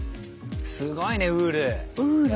すごいねウール。